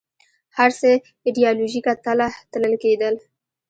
هر څه ایدیالوژیکه تله تلل کېدل